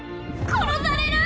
殺される！